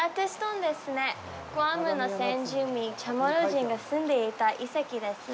グアムの先住民チャモロ人が住んでいた遺跡ですね。